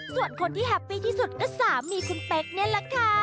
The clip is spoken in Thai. ส่วนคนที่แฮปปี้ที่สุดก็สามีคุณเป๊กนี่แหละค่ะ